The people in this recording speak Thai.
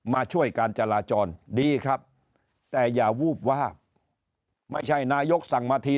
มาช่วยการจราจรดีครับแต่อย่าวูบวาบไม่ใช่นายกสั่งมาที